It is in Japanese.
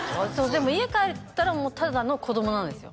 でも家帰ったらもうただの子供なんですよ